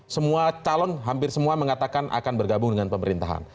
semua calon hampir semua mengatakan akan bergabung dengan pemerintahan